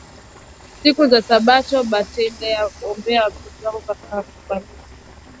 Siku ya sabato bataenda ombea mtoto wa kaka kukanisa